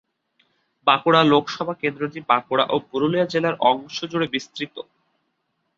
বাঁকুড়া লোকসভা কেন্দ্রটি বাঁকুড়া ও পুরুলিয়া জেলার অংশ জুড়ে বিস্তৃত।